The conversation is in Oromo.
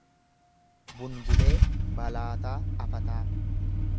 Bungulee Balaataa Afataa